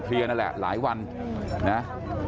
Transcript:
เพื่อนบ้านเจ้าหน้าที่อำรวจกู้ภัย